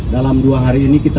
dalam dua hari ini kita